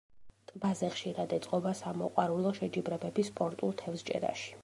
ტბაზე ხშირად ეწყობა სამოყვარულო შეჯიბრებები სპორტულ თევზჭერაში.